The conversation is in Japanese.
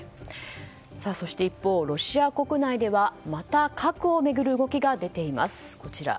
そして一方、ロシア国内ではまた核を巡る動きが出ています。